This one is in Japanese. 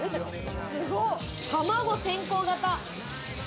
卵先行型。